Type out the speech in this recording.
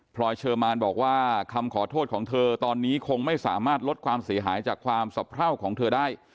รอยเชอร์มานบอกว่าคำขอโทษของเธอตอนนี้คงไม่สามารถลดความเสียหายจากความสะเพราของเธอได้